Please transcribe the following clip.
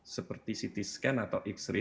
seperti ct scan atau x ray